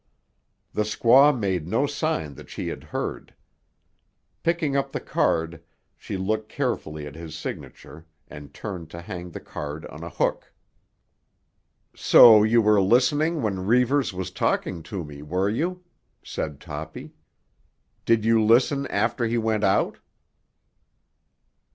The squaw made no sign that she had heard. Picking up the card, she looked carefully at his signature and turned to hang the card on a hook. "So you were listening when Reivers was talking to me, were you?" said Toppy. "Did you listen after he went out?"